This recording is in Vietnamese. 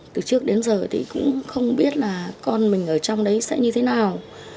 từ trước đến giờ thì cũng không biết là con mình ở trong đấy sẽ như thế nào